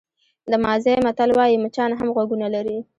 د مازی متل وایي مچان هم غوږونه لري.